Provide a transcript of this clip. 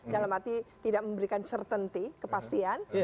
dalam arti tidak memberikan certainty kepastian